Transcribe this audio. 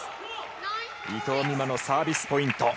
伊藤美誠のサービスポイント。